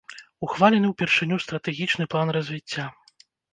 Ухвалены ўпершыню стратэгічны план развіцця.